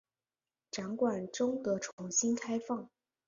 展馆终得重新开放。